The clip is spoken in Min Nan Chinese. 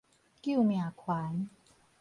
救命環